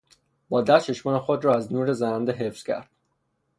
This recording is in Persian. با دست چشمان خود را از نور زننده حفظ کرد.